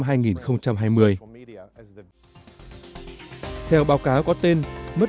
theo báo cáo có tên mất việc dành việc sự chuyển giao luật cách